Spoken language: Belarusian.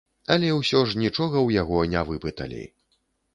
Але ўсё ж нічога ў яго не выпыталі.